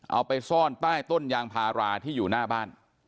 เอาไปซ่อนใต้ต้นยางพาราที่อยู่หน้าบ้าน